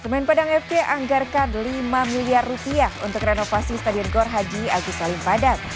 pemain padang fc anggarkan lima miliar rupiah untuk renovasi stadion gor haji agus salim padat